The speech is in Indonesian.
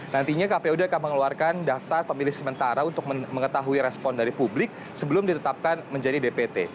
nantinya kpud akan mengeluarkan daftar pemilih sementara untuk mengetahui respon dari publik sebelum ditetapkan menjadi dpt